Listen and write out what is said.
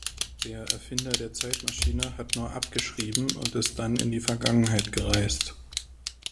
Der Erfinder der Zeitmaschine hat nur abgeschrieben und ist dann in die Vergangenheit gereist.